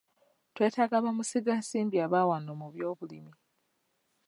Twetaaga bamusigansimbi aba wano mu byobulimi.